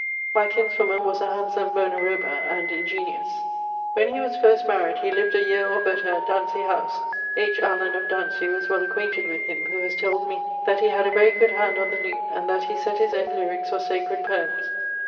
My kinswoman was a handsome bona roba and ingeniose. When he was first maried he lived a yeare or better at Dantesey house. H. Allen, of Dantesey, was well acquainted with him, who has told me that he had a very good hand on the lute, and that he sett his own lyricks or sacred poems.